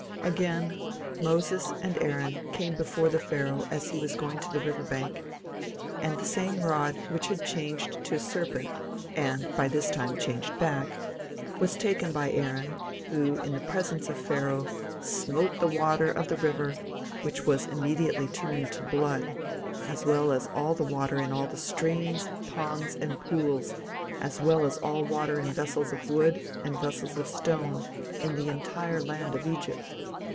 Again, Moses and Aaron came before Pharaoh as he was going to the river s bank, and the same rod which had changed to a serpent, and, by this time changed back, was taken by Aaron, who, in the presence of Pharaoh, smote the water of the river, which was immediately turned to blood, as well as all the water in all the streams, ponds, and pools, as well as all water in vessels of wood and vessels of stone in the entire land of Egypt.